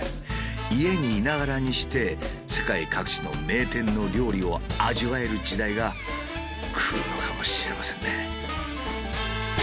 家にいながらにして世界各地の名店の料理を味わえる時代が来るのかもしれませんね。